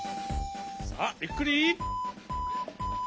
さあゆっくり！